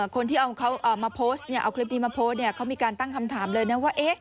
คนที่เอาคลิปนี้มาโพสต์เขามีการตั้งคำถามเลยนะว่า